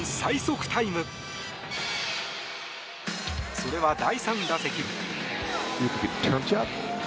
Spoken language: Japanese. それは第３打席。